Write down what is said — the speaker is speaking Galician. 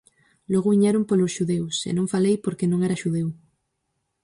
Logo viñeron polos xudeus, e non falei porque non era xudeu.